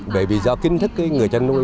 bởi vì do kinh thức người chăn nuôi